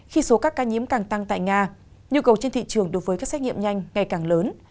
khi số các ca nhiễm càng tăng tại nga nhu cầu trên thị trường đối với các xét nghiệm nhanh ngày càng lớn